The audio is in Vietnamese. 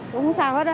cũng không sao hết á